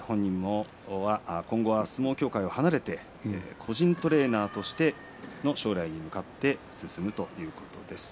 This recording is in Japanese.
本人も今後は相撲協会を離れて個人トレーナーとして将来に向かって進んでいくということです。